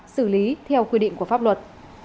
xử lý theo quy định của pháp luật